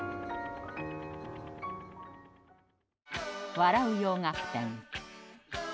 「笑う洋楽展」。